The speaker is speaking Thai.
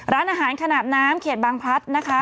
ร้านอาหารขนาดน้ำเขตบางพลัดนะคะ